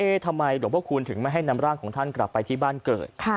ทำไมหลวงพระคูณถึงไม่ให้นำร่างของท่านกลับไปที่บ้านเกิด